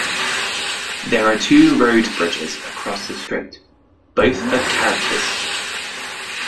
There are two road bridges across the strait, both at Chalcis.